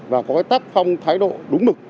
và có cái tác phong thái độ đúng mực